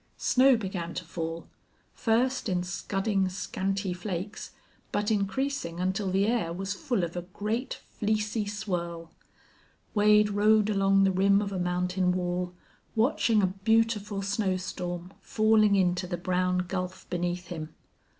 Snow began to fall, first in scudding, scanty flakes, but increasing until the air was full of a great, fleecy swirl. Wade rode along the rim of a mountain wall, watching a beautiful snow storm falling into the brown gulf beneath him.